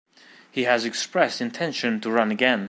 He has expressed intention to run again.